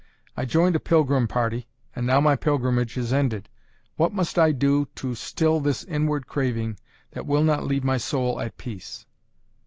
I joined a pilgrim party, and now my pilgrimage is ended. What must I do to still this inward craving that will not leave my soul at peace?"